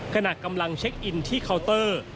ขณะกำลังเช็คอินที่เคาน์เตอร์